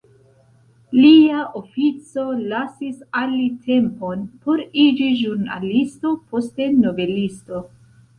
Lia ofico lasis al li tempon por iĝi ĵurnalisto poste novelisto.